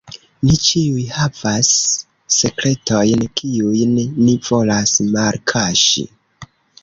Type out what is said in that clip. Ni ĉiuj havas sekretojn, kiujn ni volas malkaŝi.